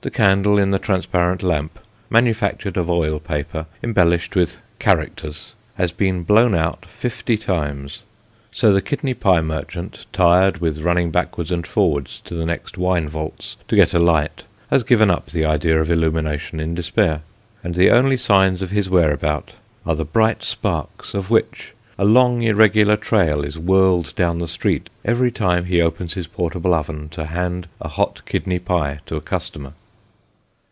The candle in the transparent lamp, manufactured of oil paper, embellished with " characters," has been blown out fifty times, so the kidney pie merchant, tired with running backwards and forwards to the next wine vaults, to get a light, has given up the idea of illumination in despair, and the only signs of his " whereabout," are the bright sparks, of which a long irregular train is whirled down the street every time he opens his portable oven to hand a hot kidney pie to a customer.